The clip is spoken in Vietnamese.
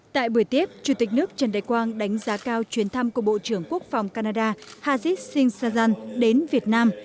tại buổi tiếp chủ tịch nước trần đại quang đánh giá cao chuyến thăm của bộ trưởng quốc phòng canada hazid singh sajjan đến việt nam